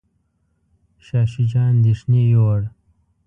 شاه شجاع اندیښنې یووړ.